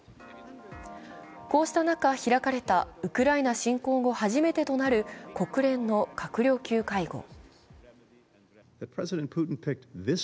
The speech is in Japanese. こうした中、開かれたウクライナ侵攻後初めてとなる国連の閣僚級会合。